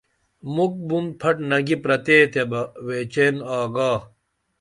مُکھ بُن پھٹ نگی پرتے تیبہ ویچین آگا